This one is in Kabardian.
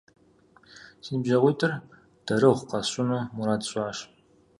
Си ныбжьэгъуитӏыр дарэгъу къэсщӀыну мурад сщӀащ.